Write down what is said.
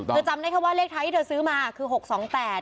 เธอจำได้แค่ว่าเลขท้ายที่เธอซื้อมาคือ๖๒๘